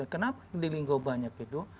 kenapa di linggo banyak gitu